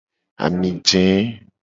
Ami je.